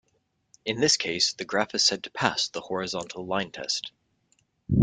In this case the graph is said to pass the horizontal line test.